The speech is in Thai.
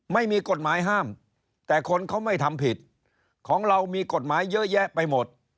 ไม่มีกฎหมายห้ามแต่คนเขาไม่ทำผิดของเรามีกฎหมายเยอะแยะไปหมด